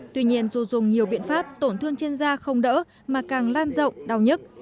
tuy nhiên dù dùng nhiều biện pháp tổn thương trên da không đỡ mà càng lan rộng đau nhức